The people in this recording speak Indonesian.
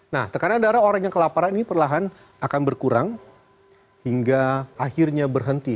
nah tekanan darah orang yang kelaparan ini perlahan akan berkurang hingga akhirnya berhenti